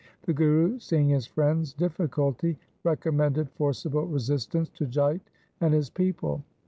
The Guru, seeing his friends' difficulty, recommended forcible resistance to Jait and his people.